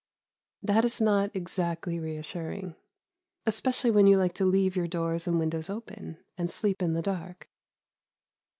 That is not exactly reassuring, especially when you like to leave your doors and windows open, and sleep in the dark.